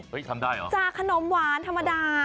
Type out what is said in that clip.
ทำได้เหรอจากขนมหวานธรรมดา